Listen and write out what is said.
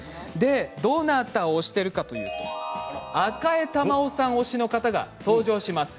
どなたを推しているかというと赤江珠緒さん推しの方が登場します。